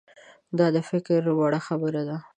دا د فکر وړ خبره ده.